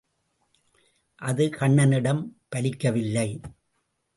அது கண்ணனிடம் பலிக்கவில்லை.